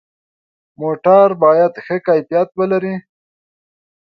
موټر باید ښه کیفیت ولري.